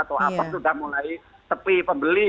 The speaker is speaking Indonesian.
atau apa sudah mulai sepi pembeli